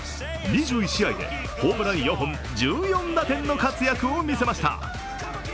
２１試合でホームラン４本、１４打点の活躍を見せました。